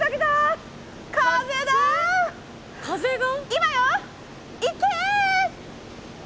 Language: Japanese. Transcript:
風が？